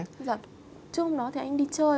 trước hôm đó thì anh đi chơi